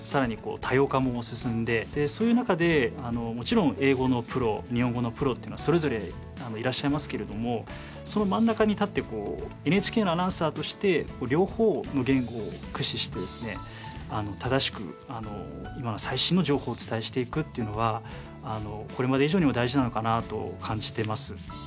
そういう中でもちろん英語のプロ日本語のプロっていうのはそれぞれいらっしゃいますけれどもその真ん中に立ってＮＨＫのアナウンサーとして両方の言語を駆使してですね正しく最新の情報をお伝えしていくっていうのはこれまで以上にも大事なのかなと感じてます。